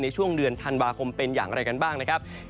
ในช่วงเดือนธันวาคมเป็นอย่างไรกันบ้างนะครับ